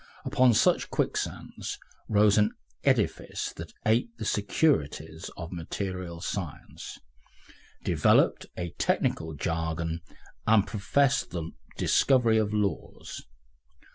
Upon such quicksands rose an edifice that aped the securities of material science, developed a technical jargon and professed the discovery of "laws."